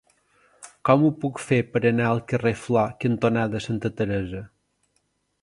Com ho puc fer per anar al carrer Flor cantonada Santa Teresa?